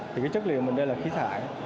thì cái chất liệu mình đây là khí thải